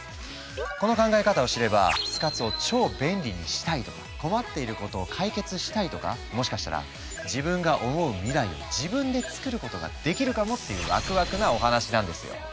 この考え方を知れば生活を超便利にしたいとか困っていることを解決したいとかもしかしたら自分が思う未来を自分でつくることができるかもっていうワクワクなお話なんですよ。